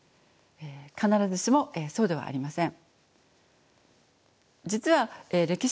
必ずしもそうではありません。